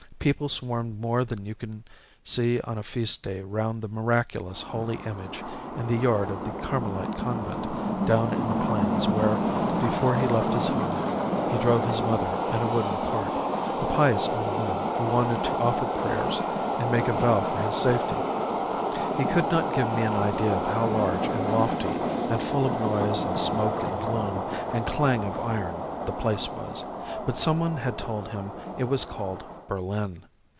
People swarmed more than you can see on a feast day round the miraculous Holy Image in the yard of the Carmelite Convent down in the plains where, before he left his home, he drove his mother in a wooden cart a pious old woman who wanted to offer prayers and make a vow for his safety. He could not give me an idea of how large and lofty and full of noise and smoke and gloom, and clang of iron, the place was, but some one had told him it was called Berlin.